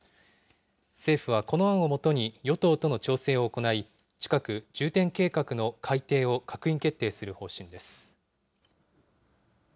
政府はこの案をもとに、与党との調整を行い、近く、重点計画の改定を閣議決定する方針です。